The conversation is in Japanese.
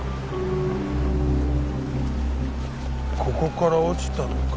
ここから落ちたのか。